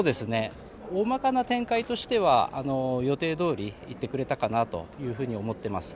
おおまかな展開としては予定どおり行ってくれたかなと思っています。